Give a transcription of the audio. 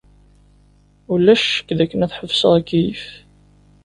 Ulac ccek dakken ad ḥebseɣ akeyyef.